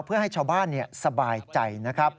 เพื่อให้ชาวบ้านสบายใจ